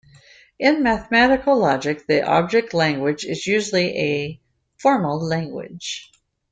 In mathematical logic, the object language is usually a formal language.